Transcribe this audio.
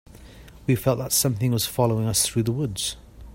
We felt that something was following us through the woods.